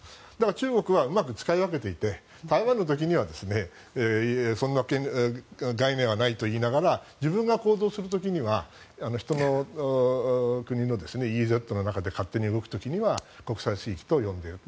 中国はうまく使い分けていて台湾の時にはそんな概念はないと言いながら自分が行動する時には人の国のＥＥＺの中で勝手に動く時には国際水域と呼んでいる。